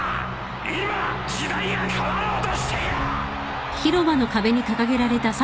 今時代が変わろうとしている。